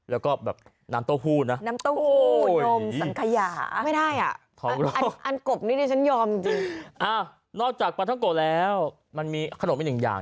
อ้าวนอกจากปาทะโกะแล้วมันมีขนมอีกหนึ่งอย่าง